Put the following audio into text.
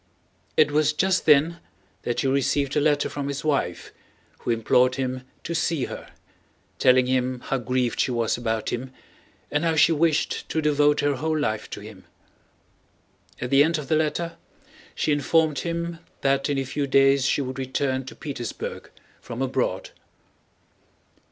It was just then that he received a letter from his wife, who implored him to see her, telling him how grieved she was about him and how she wished to devote her whole life to him. At the end of the letter she informed him that in a few days she would return to Petersburg from abroad.